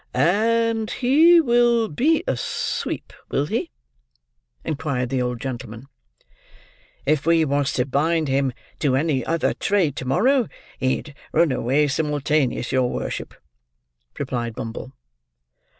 "And he will be a sweep, will he?" inquired the old gentleman. "If we was to bind him to any other trade to morrow, he'd run away simultaneous, your worship," replied Bumble.